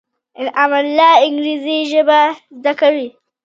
انعام الله انګرېزي ژبه زده کوي.